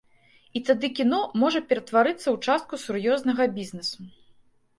І тады кіно можа ператварыцца ў частку сур'ёзнага бізнесу.